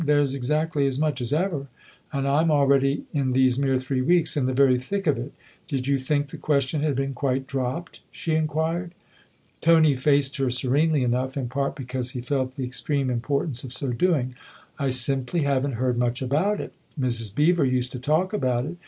" There's exactly as much as ever, and I'm already in these mere three weeks in the very thick of it ! Did you think the question had been quite dropped ?" she inquired. Tony faced her serenely enough in part because he felt the extreme importance of so doing. " I simply haven't heard much about it. Mrs. Beever used to talk about it.